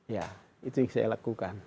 ya itu yang saya lakukan